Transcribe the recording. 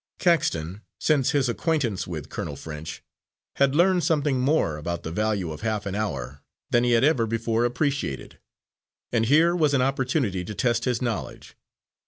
Caxton, since his acquaintance with Colonel French, had learned something more about the value of half an hour than he had ever before appreciated, and here was an opportunity to test his knowledge.